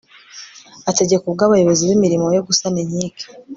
ategeka ubwe abayobozi b'imirimo yo gusana inkike